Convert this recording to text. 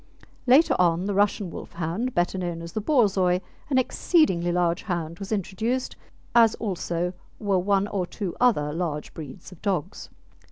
Later on the Russian Wolfhound, better known as the Borzoi, an exceedingly large hound, was introduced, as also were one or two other large breeds of dogs.